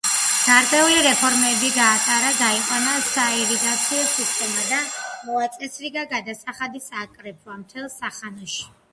გარკვეული რეფორმები გაატარა, გაიყვანა საირიგაციო სისტემა და მოაწესრიგა გადასახადის აკრეფვა მთელს სახანოში.